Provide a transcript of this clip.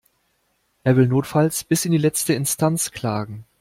Er will notfalls bis in die letzte Instanz klagen.